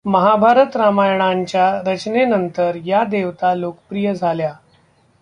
महाभारत रामायणांच्या रचनेनंतर या देवता लोकप्रिय झाल्या.